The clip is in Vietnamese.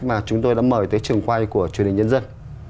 mà chúng tôi đã mời tới trường quay của truyền hình nhân dân